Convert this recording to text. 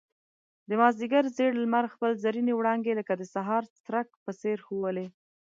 د مازيګر زېړ لمر خپل زرينې وړانګې لکه د سهار څرک په څېر ښوولې.